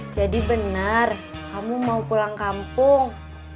jadi benar kamu mau pulang kampung